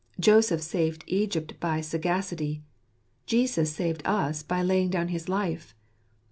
Joseph saved Egypt by sagacity ; Jesus saved us by laying down his life.